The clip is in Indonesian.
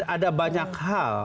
ada banyak hal